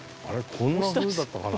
こんなふうだったかな？